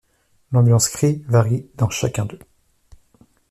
L'ambiance créée varie dans chacun d'eux.